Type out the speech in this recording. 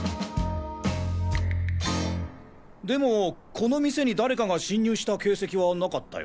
でもこの店に誰かが侵入した形跡はなかったよ。